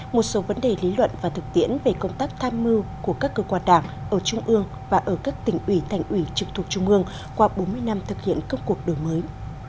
một số vấn đề lý luận và thực tiễn về công tác tham mưu của các cơ quan đảng ở trung ương và ở các tỉnh ủy thành ủy trực thuộc trung ương qua bốn mươi năm thực hiện công cuộc đổi mới